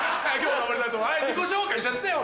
自己紹介しちゃってよ！